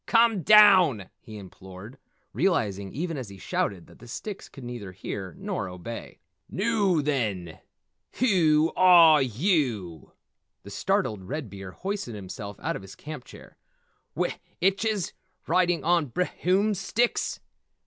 Come down!" he implored, realizing even as he shouted that the sticks could neither hear nor obey. "Noo then, whew are yew?" The startled Red Beard hoisted himself out of his camp chair. "W itches riding on br hoom sticks?